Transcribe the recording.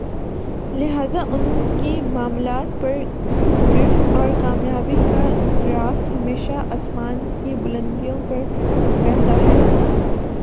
لہذا انکی معاملات پر گرفت اور کامیابی کا گراف ہمیشہ آسمان کی بلندیوں پر رہتا ہے